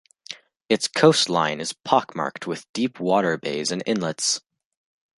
Its coastline is pockmarked with deep water bays and inlets.